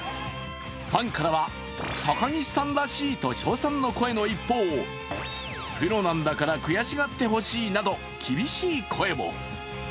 ファンからは、高岸さんらしいと称賛の声の一方、プロなんだから、悔しがってほしいなど厳しい声も。